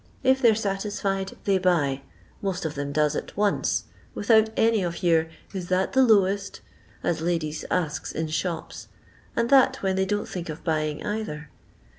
If they 're satisfied they buy, most of them does, at once ; without any of your Ms that the lowest T as ladies asks in shops, and that when they don't think of buying, either.